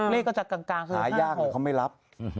เลขก็จากกลางคือ๕๖หายากหรือเขาไม่รับ